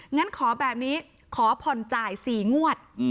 งั้นขอแบบนี้ขอผ่อนจ่าย๔งวด